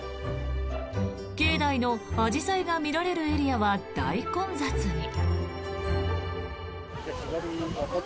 境内のアジサイが見られるエリアは大混雑に。